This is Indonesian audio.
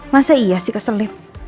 masa iya sih keselip